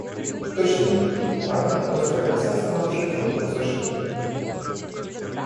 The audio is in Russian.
Точно не он, а одна острая коса сама вжикала по сочной траве.